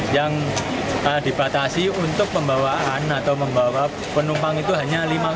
yang dibatasi untuk pembawaan atau membawa penumpang itu hanya lima puluh